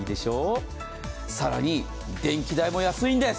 更に、電気代も安いんです。